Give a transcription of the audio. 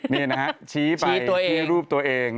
นี่นะฮะชี้ไปที่รูปตัวเอง